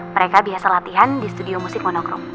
mereka biasa latihan di studio musik monokro